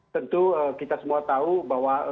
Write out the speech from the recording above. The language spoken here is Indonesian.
tentu kita semua tahu bahwa